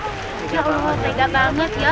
masya allah beda banget ya